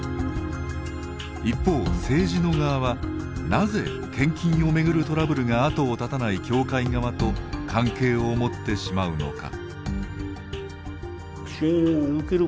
一方、政治の側はなぜ、献金を巡るトラブルが後を絶たない教会側と関係を持ってしまうのか。